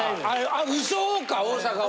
あれウソか大阪は。